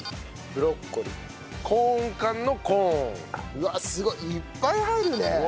うわっすごい！いっぱい入るね！